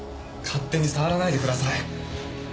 勝手に触らないでください。